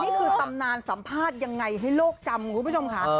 นี่คือตำนานสัมภาษณ์ยังไงให้โลกจำคุณผู้ชมค่ะ